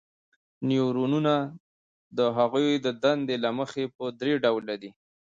نیورونونه د هغوی د دندې له مخې په درې ډوله دي.